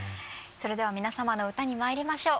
それでは皆様の歌にまいりましょう。